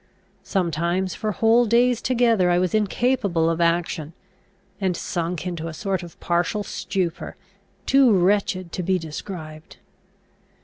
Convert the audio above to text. Sometimes for whole days together I was incapable of action, and sunk into a sort of partial stupor, too wretched to be described.